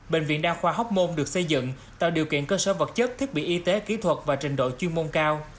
bệnh viện đa khoa hóc môn được xây dựng tạo điều kiện cơ sở vật chất thiết bị y tế kỹ thuật và trình độ chuyên môn cao